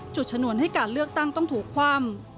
จุดฉนวนให้การเลือกตั้งต้องถูกความ